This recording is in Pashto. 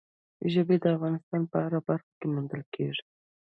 ژبې د افغانستان په هره برخه کې موندل کېږي.